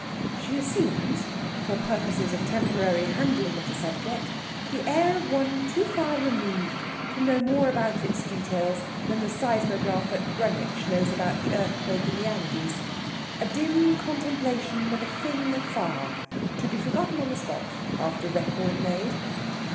She assumes, for purposes of temporary handling of the subject, the air of one too far removed to know more about its details than the seismograph at Greenwich knows about the earthquake in the Andes. A dim contemplation of a thing afar to be forgotten on the spot, after record made.